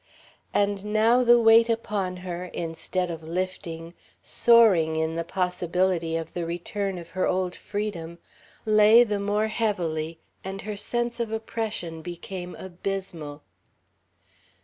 And now the weight upon her, instead of lifting, soaring in the possibility of the return of her old freedom, lay the more heavily, and her sense of oppression became abysmal....